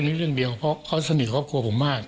นี่เรื่องเดียวเพราะเขาสนิทครอบครัวผมมาก